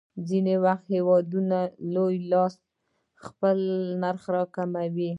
ځینې وخت هېوادونه لوی لاس خپل نرخ راکموي.